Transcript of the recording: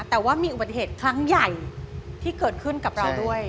แต่ว่ามีอุบัติเหตุครั้งใหญ่ที่เกิดขึ้นกับเราด้วย